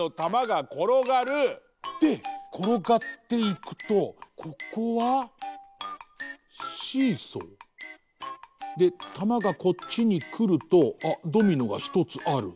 でころがっていくとここはシーソー？でたまがこっちにくるとあっドミノがひとつある。